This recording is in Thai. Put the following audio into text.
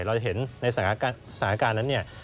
เราเห็นในสถานการณ์นั้นเนี่ย